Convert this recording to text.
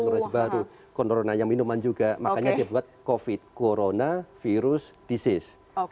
corona jenis baru corona yang minuman juga makanya dia buat covid corona virus disease